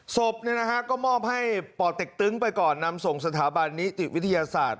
ศพก็มอบให้ป่อเต็กตึ้งไปก่อนนำส่งสถาบันนิติวิทยาศาสตร์